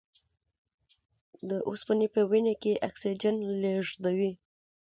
د اوسپنې په وینه کې اکسیجن لېږدوي.